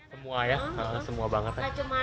semua ya semua banget